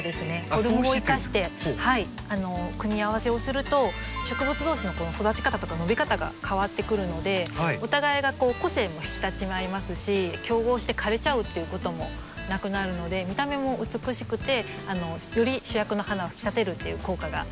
フォルムを生かして組み合わせをすると植物同士の育ち方とか伸び方が変わってくるのでお互いが個性も引き立ち合いますし競合して枯れちゃうっていうこともなくなるので見た目も美しくてより主役の花を引き立てるっていう効果が生まれます。